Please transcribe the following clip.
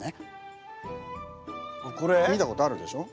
見たことあるでしょ？